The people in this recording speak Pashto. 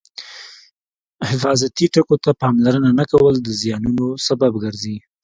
حفاظتي ټکو ته پاملرنه نه کول د زیانونو سبب ګرځي.